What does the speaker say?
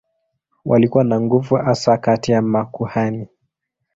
Walikuwa na nguvu hasa kati ya makuhani.